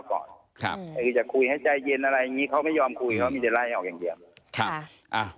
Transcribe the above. ก็คือจะคุยให้ใจเย็นอะไรอย่างนี้เขาไม่ยอมคุยเขามีแต่ไล่ออกอย่างเดียวค่ะอ่า